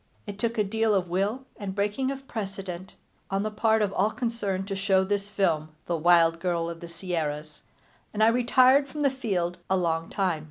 It took a deal of will and breaking of precedent, on the part of all concerned, to show this film, The Wild Girl of the Sierras, and I retired from the field a long time.